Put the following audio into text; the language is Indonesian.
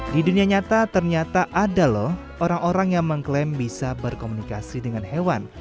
di dunia nyata ternyata ada loh orang orang yang mengklaim bisa berkomunikasi dengan hewan